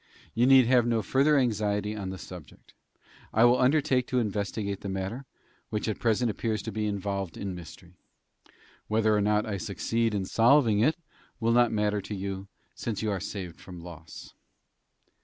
You need have no further anxiety on the subject. I will undertake to investigate the matter, which at present appears to be involved in mystery. Whether or not I succeed in solving it will not matter to you, since you are saved from loss."